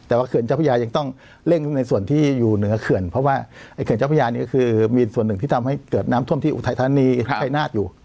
แต่ว่าเขื่อนเจ้าพระยายังต้องเร่งในส่วนที่อยู่เหนือเขื่อนเพราะว่าไอ้เขื่อนเจ้าพระยานี้ก็คือมีส่วนหนึ่งที่ทำให้เกิดน้ำท่วมที่อุทัยธานีชัยนาฏอยู่